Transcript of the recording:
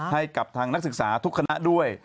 ให้กับทางนักศึกษาทุกคณะด้วย